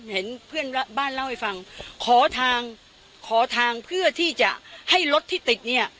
เห็นเพื่อนบ้านเล่าให้ฟังขอทางขอทางเพื่อที่จะให้รถที่ติดเนี่ย